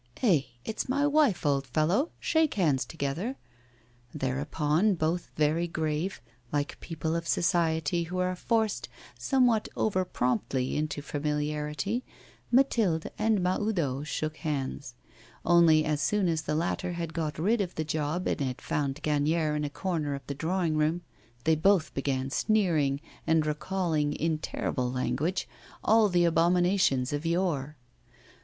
'Eh! It's my wife, old fellow. Shake hands together.' Thereupon, both very grave, like people of society who are forced somewhat over promptly into familiarity, Mathilde and Mahoudeau shook hands. Only, as soon as the latter had got rid of the job and had found Gagnière in a corner of the drawing room, they both began sneering and recalling, in terrible language, all the abominations of yore.